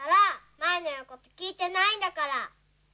舞のいうこときいてないんだから。